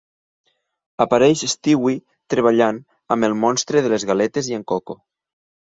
Apareix Stewie treballant amb el Monstre de les galetes i en Coco.